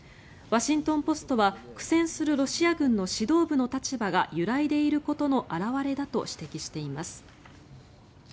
ワシントン・ポストは苦戦するロシア軍の指導部の立場が揺らいでいることの表れだと指摘しています。